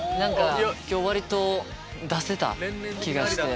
今日割と出せた気がして。